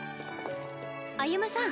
歩夢さん。